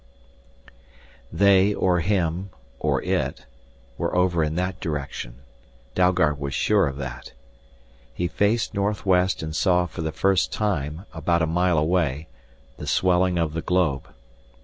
They or him or it were over in that direction, Dalgard was sure of that. He faced northwest and saw for the first time, about a mile away, the swelling of the globe.